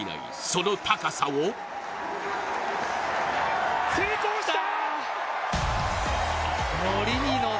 その高さを成功した！